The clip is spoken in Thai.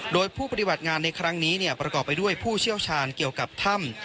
โดยผู้ปฏิบัติงานในครั้งนี้ประกอบไปด้วยผู้เชี่ยวชาญเกี่ยวกับถ้ำ